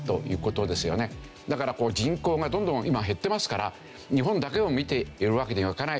だから人口がどんどん今減ってますから日本だけを見ているわけにはいかない。